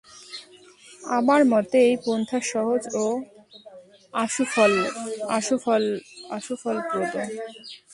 আমার মতে, এই পন্থা সহজ ও আশুফলপ্রদ।